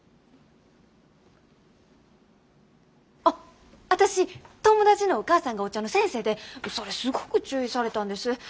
あっ私友達のお母さんがお茶の先生でそれすごく注意されたんです。